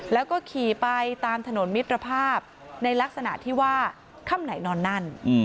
แล้วก็ขี่ไปตามถนนมิตรภาพในลักษณะที่ว่าค่ำไหนนอนนั่น